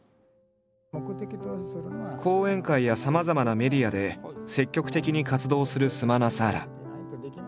講演会やさまざまなメディアで積極的に活動するスマナサーラ。